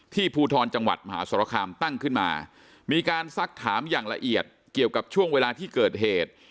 ภูทรจังหวัดมหาสรคามตั้งขึ้นมามีการซักถามอย่างละเอียดเกี่ยวกับช่วงเวลาที่เกิดเหตุ